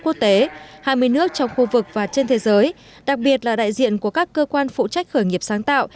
quốc tế hai mươi nước trong khu vực và trên thế giới đặc biệt là đại diện của các cơ quan phụ trách khởi nghiệp sáng tạo